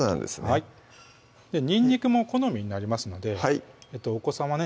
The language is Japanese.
はいにんにくも好みになりますのでお子さまね